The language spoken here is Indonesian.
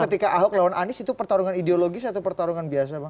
ketika ahok lawan anies itu pertarungan ideologis atau pertarungan biasa bang